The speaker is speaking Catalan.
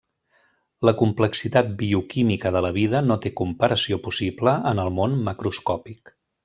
La complexitat bioquímica de la vida no té comparació possible en el món macroscòpic.